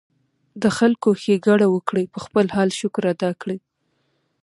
د خلکو ښېګړه وکړي ، پۀ خپل حال شکر ادا کړي